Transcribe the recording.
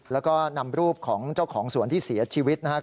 แล้วก็นำรูปของเจ้าของสวนที่เสียชีวิตนะครับ